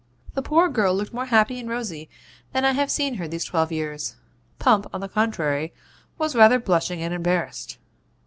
The poor girl looked more happy and rosy than I have seen her these twelve years. Pump, on the contrary, was rather blushing and embarrassed.